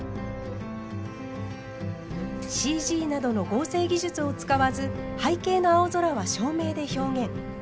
ＣＧなどの合成技術を使わず背景の青空は照明で表現。